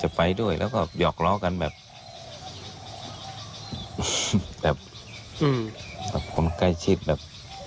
เหลือกเลากันแบบแบบหือระบบคนใกล้ชิดแบบ